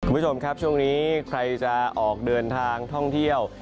คุณผู้ชมครับช่วงนี้ใครจะออกเดินทางท่องเที่ยว